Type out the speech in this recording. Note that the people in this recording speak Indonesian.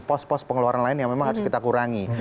post post pengeluaran lain yang memang harus kita kurangi